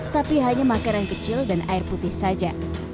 tapi hanya makanan kecil dan air putih saja